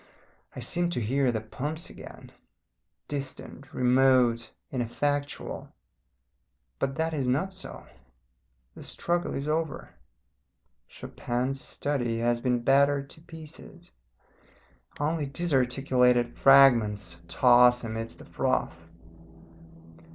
I seem to hear the pumps again, distant, remote, ineffectual. But that is not so; the struggle is over. Chopin's Study has been battered to pieces; only disarticulated fragments toss amidst the froth.